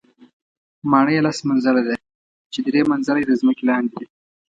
ماڼۍ یې لس منزله ده چې درې منزله یې تر ځمکې لاندې دي.